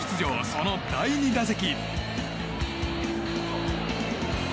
その第２打席。